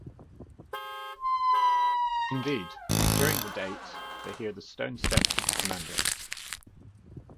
Indeed, during the date, they hear the stone steps of the Commander.